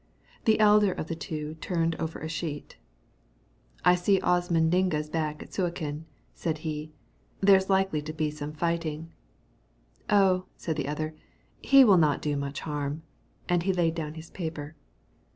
The elder of the two turned over a sheet. "I see Osman Digna's back at Suakin," said he. "There's likely to be some fighting." "Oh," said the other, "he will not do much harm." And he laid down his paper.